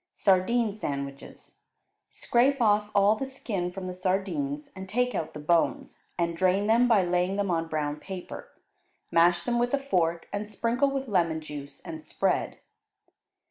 Sardine Sandwiches Scrape off all the skin from the sardines, and take out the bones and drain them by laying them on brown paper; mash them with a fork, and sprinkle with lemon juice, and spread.